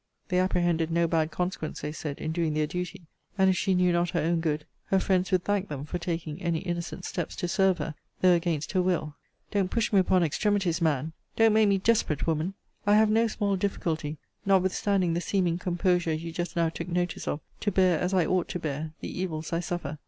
They apprehended no bad consequence, they said, in doing their duty: and if she knew not her own good, her friends would thank them for taking any innocent steps to serve her, though against her will. Don't push me upon extremities, man! Don't make me desperate, woman! I have no small difficulty, notwithstanding the seeming composure you just now took notice of, to bear, as I ought to bear, the evils I suffer.